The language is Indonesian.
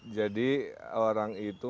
jadi orang itu